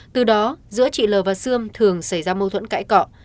từ đó giữa chị l và sươm thường xảy ra mâu thuẫn cãi cọ